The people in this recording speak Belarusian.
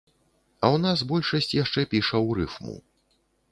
А ў нас большасць яшчэ піша ў рыфму.